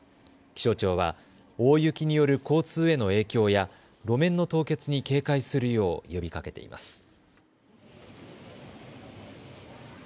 気象庁は大雪による交通への影響や路面の凍結に警戒するよう呼びかけています。